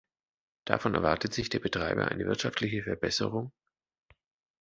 Davon erwartet sich der Betreiber eine wirtschaftliche Verbesserung.